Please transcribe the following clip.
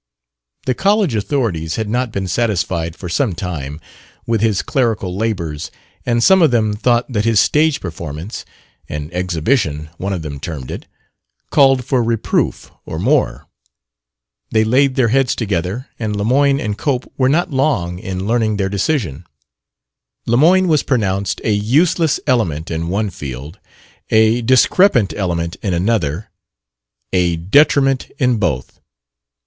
The college authorities had not been satisfied, for some time, with his clerical labors, and some of them thought that his stage performance an "exhibition" one of them termed it called for reproof, or more. They laid their heads together and Lemoyne and Cope were not long in learning their decision. Lemoyne was pronounced a useless element in one field, a discrepant element in another, a detriment in both.